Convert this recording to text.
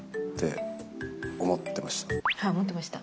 返っはい、思ってました。